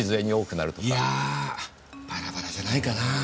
いやあバラバラじゃないかなぁ。